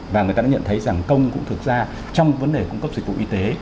và người ta đã nhận thấy rằng công cũng thực ra trong vấn đề cung cấp dịch vụ y tế